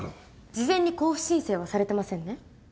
事前に交付申請はされてませんね？